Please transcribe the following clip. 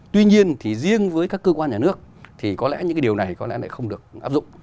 tuy nhiên thì riêng với các cơ quan nhà nước thì có lẽ những cái điều này có lẽ lại không được áp dụng